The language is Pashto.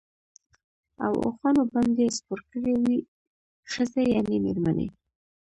او اوښانو باندي سپور کړی وې، ښځي يعني ميرمنې